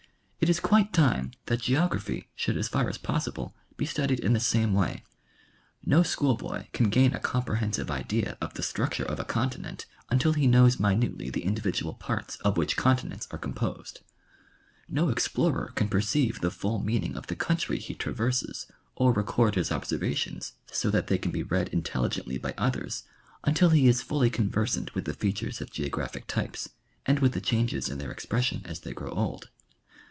It is quite time that geography should as far as possible be studied in the same way, No school boy can gain a comprehensive idea of the structure of a continent until he knows minutely the individ iial parts of which continents are composed, No explorer can perceive the full meaning of the countiy he traverses, or record his observations so that they can be read intelligently by others until he is fully conversant with the features of geographic types and with the changes in their exjDression as they grow old.